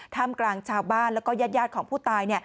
กลางชาวบ้านแล้วก็ญาติของผู้ตาย